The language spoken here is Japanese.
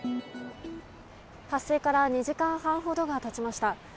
発生から２時間半ほどが経ちました。